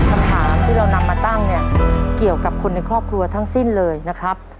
คำถามที่เรานำมาตั้งเนี่ยเกี่ยวกับคนในครอบครัวทั้งสิ้นเลยนะครับ